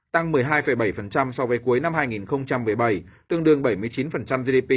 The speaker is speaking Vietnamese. tăng một mươi hai bảy so với cuối năm hai nghìn một mươi bảy tương đương bảy mươi chín gdp